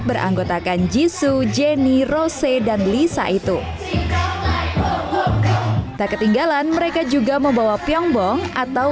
beranggotakan jisu jenny rose dan lisa itu tak ketinggalan mereka juga membawa pyongbong atau